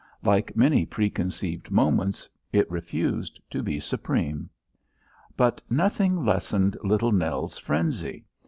Like many preconceived moments, it refused to be supreme. But nothing lessened Little Nell's frenzy.